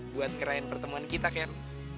buat kerahin pertemuan kita ken